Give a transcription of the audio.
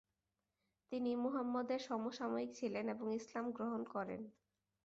তিনি মুহাম্মদ এর সমসাময়িক ছিলেন এবং ইসলাম গ্রহণ করেন।